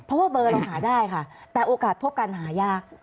เพราะว่าเบอร์เราหาได้ค่ะแต่โอกาสพบกันหายาก